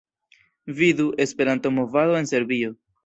Vidu: "Esperanto-movado en Serbio"